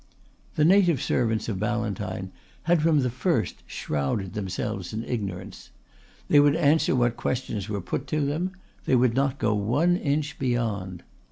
The native servants of Ballantyne had from the first shrouded themselves in ignorance. They would answer what questions were put to them; they would not go one inch beyond.